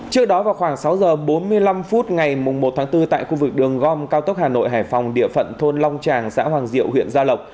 trước đó vào khoảng sáu h bốn mươi năm phút ngày một tháng bốn tại khu vực đường gom cao tốc hà nội hải phòng địa phận thôn long tràng xã hoàng diệu huyện gia lộc